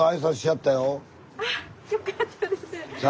あっよかったです。